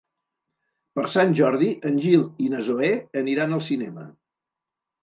Per Sant Jordi en Gil i na Zoè aniran al cinema.